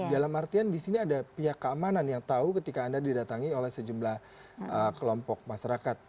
dalam artian di sini ada pihak keamanan yang tahu ketika anda didatangi oleh sejumlah kelompok masyarakat